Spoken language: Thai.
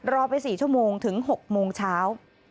รอไป๔ชั่วโมงถึง๖โมงเช้า